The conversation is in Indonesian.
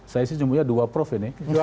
saya sih cuman dua prof ini